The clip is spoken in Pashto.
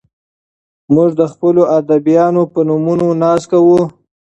موږ د خپلو ادیبانو په نومونو ناز کوو.